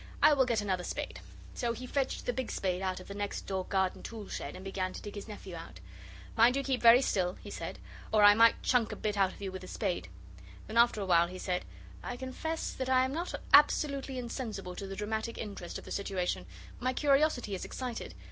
'I will get another spade,' so he fetched the big spade out of the next door garden tool shed, and began to dig his nephew out. 'Mind you keep very still,' he said, 'or I might chunk a bit out of you with the spade.' Then after a while he said 'I confess that I am not absolutely insensible to the dramatic interest of the situation. My curiosity is excited.